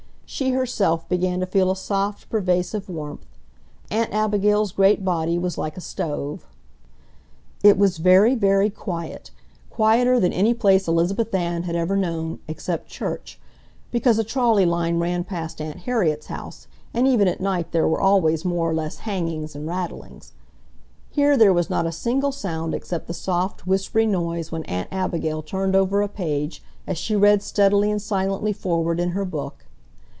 She herself began to feel a soft, pervasive warmth. Aunt Abigail's great body was like a stove. It was very, very quiet, quieter than any place Elizabeth Ann had ever known, except church, because a trolley line ran past Aunt Harriet's house and even at night there were always more or less bangings and rattlings. Here there was not a single sound except the soft, whispery noise when Aunt Abigail turned over a page as she read steadily and silently forward in her book.